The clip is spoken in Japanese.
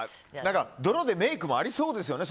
泥でメイクもありそうですよね。